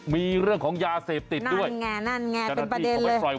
มีเรื่องของยาเสพติดด้วย